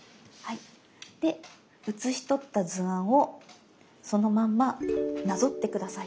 で写しとった図案をそのまんまなぞって下さい。